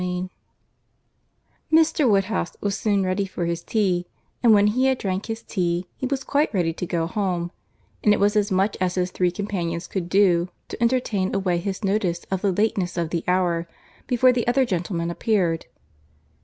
CHAPTER XV Mr. Woodhouse was soon ready for his tea; and when he had drank his tea he was quite ready to go home; and it was as much as his three companions could do, to entertain away his notice of the lateness of the hour, before the other gentlemen appeared.